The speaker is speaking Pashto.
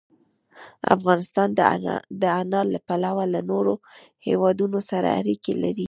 افغانستان د انار له پلوه له نورو هېوادونو سره اړیکې لري.